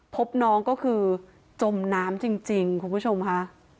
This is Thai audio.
พบน้องก็คือจมน้ำจริงคุณผู้ชมค่ะ